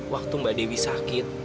waktu mbak dewi sakit